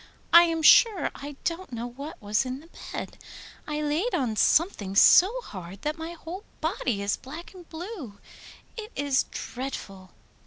I am sure I don't know what was in the bed. I laid on something so hard that my whole body is black and blue. It is dreadful!